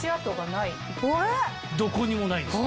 どこにもないんですね。